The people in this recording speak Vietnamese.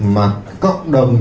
mà cộng đồng